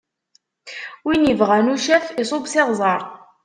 Win ibɣan ucaf, iṣubb s iɣzeṛ!